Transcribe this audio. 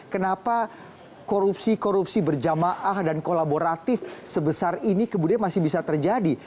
kenapa korupsi korupsi berjamaah dan kolaboratif sebesar ini kemudian masih bisa terjadi